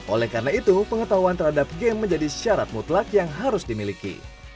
oleh karena itu pengetahuan terhadap game menjadi syarat mutlak yang harus dimiliki